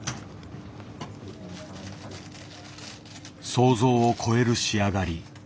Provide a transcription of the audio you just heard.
想像を超える仕上がり。